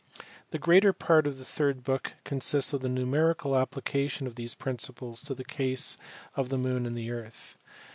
The greater part of the third book consists of the numerical application of these principles to the case of the moon and the earth.